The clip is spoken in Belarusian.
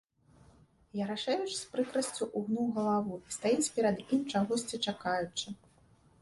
Ярашэвіч з прыкрасцю ўгнуў галаву і стаіць перад ім, чагосьці чакаючы.